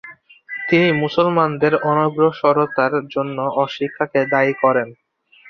তিনি মুসলমানদের অনগ্রসরতার জন্য অশিক্ষাকে দায়ী করেন।